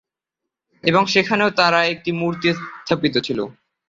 এবং সেখানেও তার একটি মূর্তি স্থাপিত ছিলো।